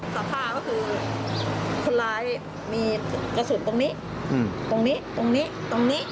สภาพก็คือคนร้ายมีกระสุนตรงนี้ตรงนี้ตรงนี้